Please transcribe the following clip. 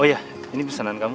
oh ya ini pesanan kamu